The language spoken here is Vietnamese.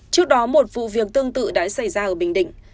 trước đó một vụ việc tương tự đã xảy ra ở bình định